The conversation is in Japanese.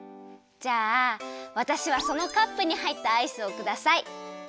じゃあわたしはそのカップにはいったアイスをください。